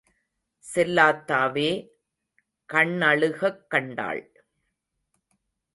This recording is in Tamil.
செல்லாத்தாவே கண்ணழுகக் கண்டாள்.